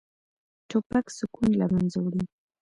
توپک سکون له منځه وړي.